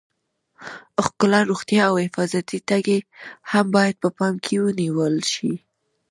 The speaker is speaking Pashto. ښکلا، روغتیا او حفاظتي ټکي هم باید په پام کې ونیول شي.